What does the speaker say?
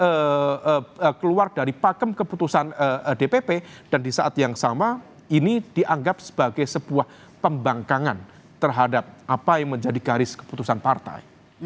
kemudian keluar dari pakem keputusan dpp dan di saat yang sama ini dianggap sebagai sebuah pembangkangan terhadap apa yang menjadi garis keputusan partai